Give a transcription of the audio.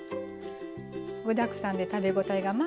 具だくさんで食べ応えが満点。